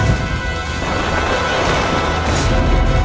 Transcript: aku akan menangkapmu